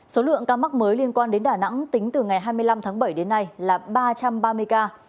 số lượng ca mắc mới liên quan đến đà nẵng tính từ ngày hai mươi năm tháng bảy đến nay là ba trăm ba mươi ca